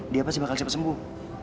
dia pasti bakal cepat sembuh